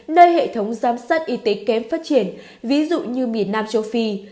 nơi hệ thống giám sát y tế kém phát triển ví dụ như miền nam châu phi